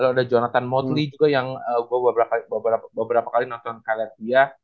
ada jonathan mothley juga yang gue beberapa kali nonton karet dia